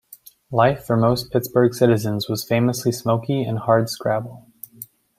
Life for most Pittsburgh citizens was famously smokey and hardscrabble.